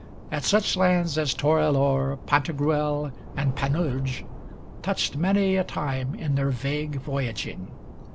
At such lands as Torelore Pantagruel and Panurge touched many a time in their vague voyaging.